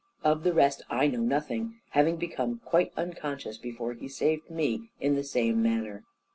Of the rest, I know nothing, having become quite unconscious, before he saved me, in the same manner.